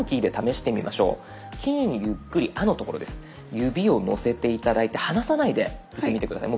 指をのせて頂いて離さないで打ってみて下さい。